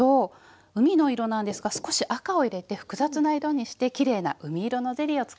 海の色なんですが少し赤を入れて複雑な色にしてきれいな海色のゼリーをつくろうと思います。